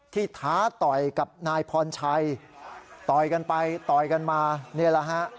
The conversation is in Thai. ท้าต่อยกับนายพรชัยต่อยกันไปต่อยกันมานี่แหละฮะ